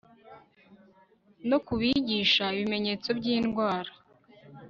no kubigisha ibimenyetso by'indwara